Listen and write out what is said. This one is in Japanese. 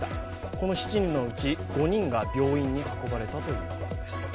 この７人のうち５人が病院に運ばれたということです。